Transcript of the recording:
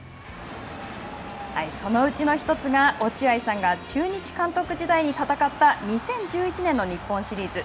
そのうちの１つが、落合さんが中日監督時代に戦った２０１１年の日本シリーズ。